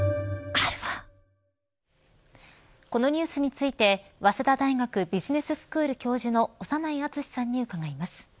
このニュースについて早稲田大学ビジネススクール教授の長内厚さんに伺います。